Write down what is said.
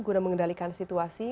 untuk mengendalikan situasi